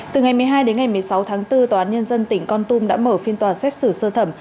từ ngày một mươi hai đến ngày một mươi sáu tháng bốn tòa án nhân dân tỉnh con tum đã mở phiên tòa xét xử sơ thẩm